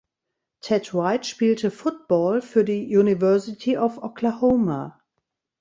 Ted White spielte Football für die University of Oklahoma.